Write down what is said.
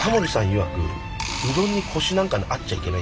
いわくうどんにコシなんかあっちゃいけない。